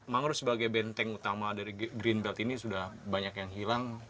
mangrove sebagai benteng utama dari green belt ini sudah banyak yang hilang